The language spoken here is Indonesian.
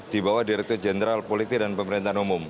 dibawah direktur jenderal politik dan pemerintahan umum